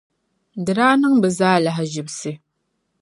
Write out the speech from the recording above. di daa niŋ bɛ zaa lahaʒibisi.